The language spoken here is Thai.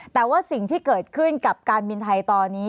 แต่ว่าสิ่งที่เกิดขึ้นกับการบินไทยตอนนี้